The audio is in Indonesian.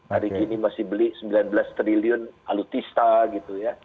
hari ini masih beli sembilan belas triliun alutista gitu ya